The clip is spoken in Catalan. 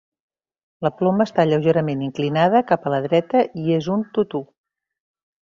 La ploma està lleugerament inclinada cap a la dreta i és un tutú.